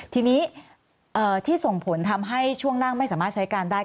ทีนี้ที่ส่งผลทำให้ช่วงนั่งไม่สามารถใช้การได้